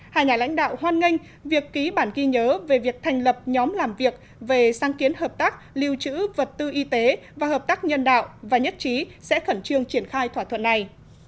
hai nhà lãnh đạo hoan nghênh việc ký bản ghi nhớ về việc thành lập nhóm làm việc về sáng kiến hợp tác lưu trữ vật tư y tế và hợp tác nhân đạo và nhất trí sẽ khẩn trương triển khai thỏa thuận này